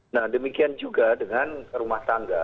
nah demikian juga dengan rumah tangga